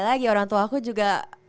lagi orang tua aku juga